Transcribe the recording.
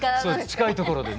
近いところでね。